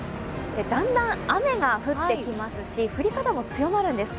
だんだん雨が降ってきますし降り方も強まるんです。